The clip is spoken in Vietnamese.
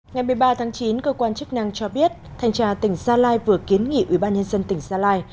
ngày một mươi ba tháng chín cơ quan chức năng cho biết thanh tra tỉnh gia lai vừa kiến nghị ubnd tỉnh gia lai